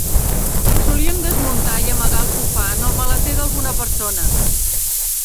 Solíem desmuntar i amagar el sofà en el maleter d'alguna persona.